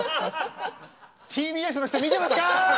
ＴＢＳの人見てますか！